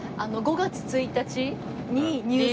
５月１日に入籍。